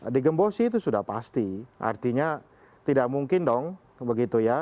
digembosi itu sudah pasti artinya tidak mungkin dong